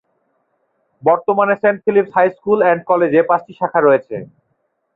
বর্তমানে Saint Philip's high school and কলেজে পাঁচটি শাখা রয়েছে।